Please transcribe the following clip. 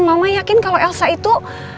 mama yakin kalau elsa itu